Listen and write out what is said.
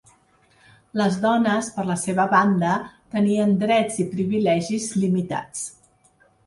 Les dones, per la seva banda, tenien drets i privilegis limitats.